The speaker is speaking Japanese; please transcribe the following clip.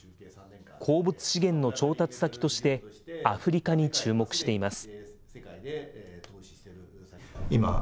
鉱物資源の調達先として、アフリカに注目しています。